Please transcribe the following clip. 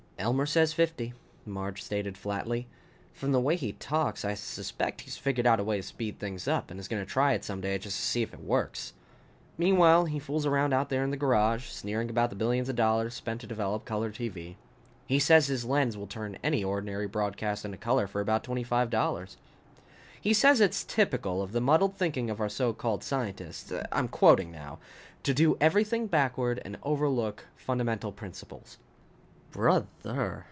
"Elmer says fifty," Marge stated flatly. "From the way he talks, I suspect he's figured out a way to speed things up and is going to try it some day just to see if it works. Meanwhile he fools around out there in the garage, sneering about the billions of dollars spent to develop color TV. He says his lens will turn any ordinary broadcast into color for about twenty five dollars. He says it's typical of the muddled thinking of our so called scientists I'm quoting now to do everything backward and overlook fundamental principles." "Bro ther!"